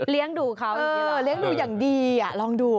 เลี้ยงดูเขาอย่างนี้หรอเออเลี้ยงดูอย่างดีอ่ะลองดู